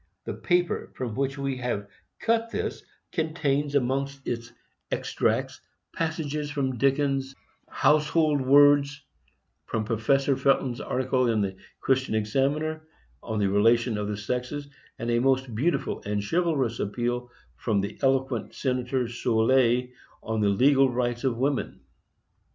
The paper from which we have cut this contains among its extracts passages from Dickens' Household Words, from Professor Felton's article in the Christian Examiner on the relation of the sexes, and a most beautiful and chivalrous appeal from the eloquent senator Soulé on the legal rights of women.